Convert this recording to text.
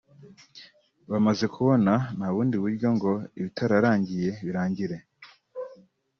Bamaze kubona nta bundi buryo ngo ibitararangiye birangire